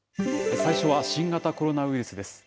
最初は新型コロナウイルスです。